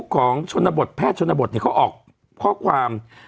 ของชนบทแพทย์ชนบทเขาออกข้อความ